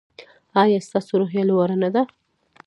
ایا ستاسو روحیه لوړه نه ده؟